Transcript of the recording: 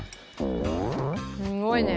すごいね。